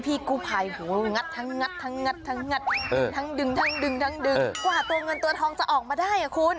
พี่กู้ใภหงัดทั้งทั้งทั้งดึงกว่าเงินตัวทองจะออกมันได้ครับคุณ